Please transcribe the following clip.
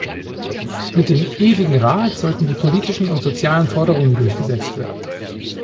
Mit dem "Ewigen Rat" sollten die politischen und sozialen Forderungen durchgesetzt werden.